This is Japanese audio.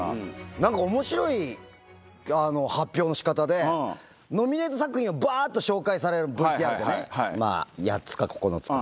なんか荒い発表のしかたで、ノミネート作品をばーっと紹介される、ＶＴＲで、まあ、８つか９つか。